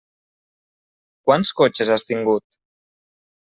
Quants cotxes has tingut?